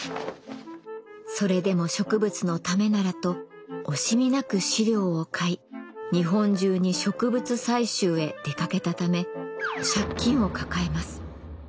それでも植物のためならと惜しみなく資料を買い日本中に植物採集へ出かけたため借金を抱えます。